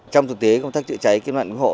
trong thực tế công tác chữa cháy kiếm lại ủng hộ